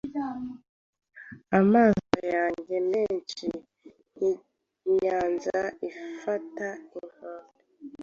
Amaso yanjye menshi nkinyanja idafite inkombe